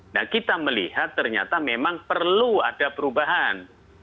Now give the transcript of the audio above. nah kita melihat ternyata memang perlu ada perubahan